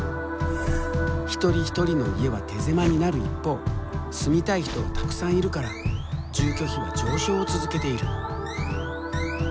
一人一人の家は手狭になる一方住みたい人はたくさんいるから住居費は上昇を続けている。